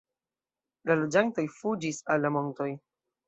La loĝantoj fuĝis al la montoj.